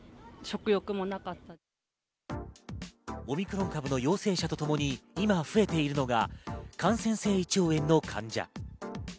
オミクロン株の陽性者とともに今増えているのが、感染性胃腸炎の患者。